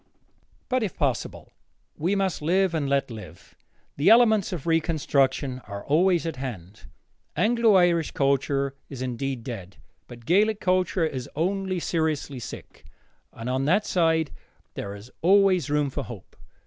But, if possible, we must live and let live. The elements of reconstruction are always at hand. Anglo Irish culture is indeed dead, but Gaelic culture is only seriously sick, and on that side there is always room for hope.